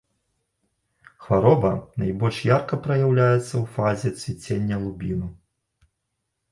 Хвароба найбольш ярка праяўляецца ў фазе цвіцення лубіну.